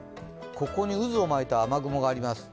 ここに渦を巻いた雨雲があります。